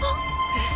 えっ。